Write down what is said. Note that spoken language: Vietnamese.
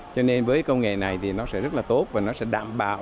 cho nên với công nghệ này thì nó sẽ rất là tốt và nó sẽ đảm bảo